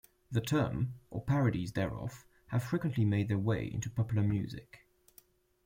The term, or parodies thereof, have frequently made their way into popular music.